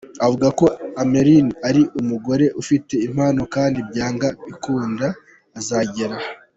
avuga ko Ameleena ari umugore ufite impano kandi byanga byakunda uzagera.